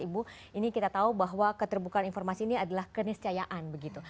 ibu ini kita tahu bahwa keterbukaan informasi ini adalah keniscayaan begitu